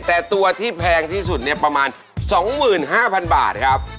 แต่ตัวที่แพงที่สุดเนี่ยประมาณ๒๕๐๐๐บาทครับ